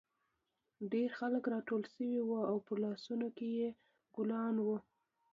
ډېر خلک راټول شوي وو او په لاسونو کې یې ګلان وو